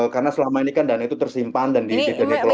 karena selama ini kan dana itu tersimpan dan dikeluarkan